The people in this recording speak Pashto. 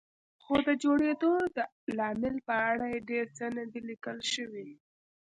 خو د جوړېدو د لامل په اړه یې ډېر څه نه دي لیکل شوي.